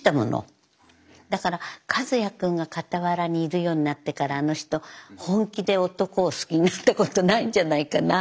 だから和也君が傍らにいるようになってからあの人本気で男を好きになった事ないんじゃないかな。